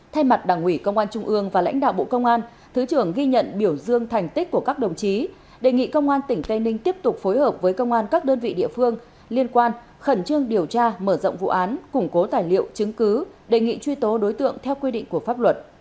thay mặt đảng ủy công an trung ương và lãnh đạo bộ công an thứ trưởng ghi nhận biểu dương thành tích của các đồng chí đề nghị công an tỉnh tây ninh tiếp tục phối hợp với công an các đơn vị địa phương liên quan khẩn trương điều tra mở rộng vụ án củng cố tài liệu chứng cứ đề nghị truy tố đối tượng theo quy định của pháp luật